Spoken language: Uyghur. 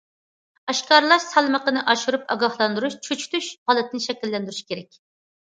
ئاشكارىلاش سالمىقىنى ئاشۇرۇپ، ئاگاھلاندۇرۇش، چۆچۈتۈش ھالىتى شەكىللەندۈرۈش كېرەك.